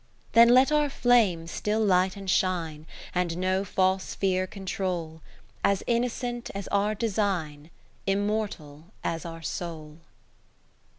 20 Then let our flames still light and shine. And no false fear control, As innocent as our design, Immortal as our soul.